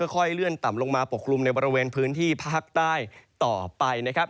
ค่อยเลื่อนต่ำลงมาปกคลุมในบริเวณพื้นที่ภาคใต้ต่อไปนะครับ